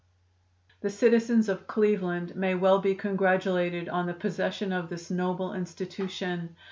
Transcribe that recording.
"The citizens of Cleveland may well be congratulated on the possession of this noble Institution.